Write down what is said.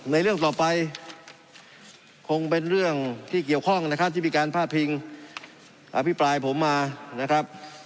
ในเรื่องต่อไปคงเป็นเรื่องที่เกี่ยวข้องที่พี่การภาพิงอภิปรายผมมา